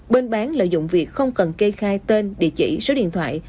bên bán lợi dụng việc không cần kê khai tên địa chỉ số điện thoại